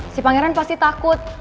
si pangeran pasti takut